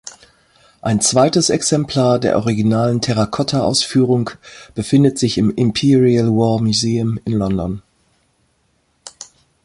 Ein zweites Exemplar der originalen Terracotta-Ausführung befindet sich im Imperial War Museum in London.